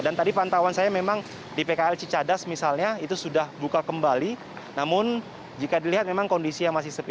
dan tadi pantauan saya memang di pkl cicadas misalnya itu sudah buka kembali namun jika dilihat memang kondisi yang masih sepi